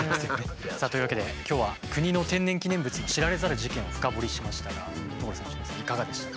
さあというわけで今日は国の天然記念物の知られざる事件を深掘りしましたが所さん佳乃さんいかがでしたか？